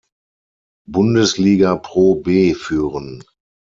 Bundesliga ProB führen.